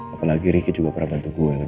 apalagi riki juga pernah bantu gue kan